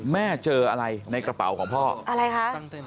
เจออะไรในกระเป๋าของพ่ออะไรคะ